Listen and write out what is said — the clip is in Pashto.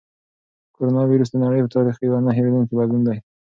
کرونا وېروس د نړۍ په تاریخ کې یو نه هېرېدونکی بدلون دی.